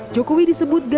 jokowi disebut ganjar